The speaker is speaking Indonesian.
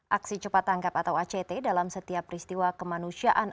aksi cepat tangkap atau act dalam setiap peristiwa kemanusiaan